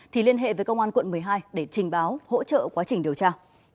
thì liên hệ với công an quận một mươi hai để trình báo hỗ trợ quá trình điều tra